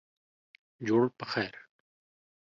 جوړ پخیر